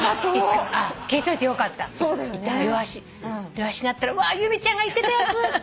両足なったら「わ由美ちゃんが言ってたやつ」って。